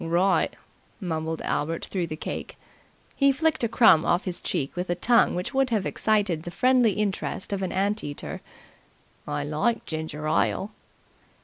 "Wri'!" mumbled Albert through the cake. He flicked a crumb off his cheek with a tongue which would have excited the friendly interest of an ant eater. "I like ginger ile."